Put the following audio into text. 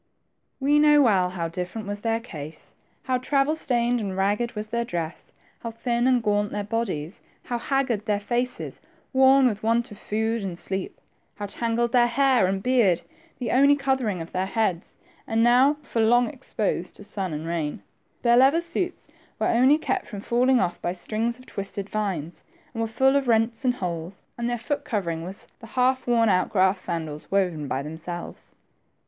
We know well how different was their case : how travel stained and ragged was their dress ; how thin and gaunt their bodies ; how haggard their faces, worn with want of food and sleep ; how tangled their hair and beard, the only covering of their heads, and 100 THE TWO FRINGES. now for long exposed to sun and rain. Their leather suits were only kept from falling off by strings of twisted vines, and wer6 full of rents and holes, and their foot covering was the half worn out grass sandals woven by themselves.